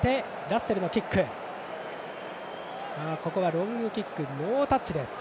ロングキックノータッチでした。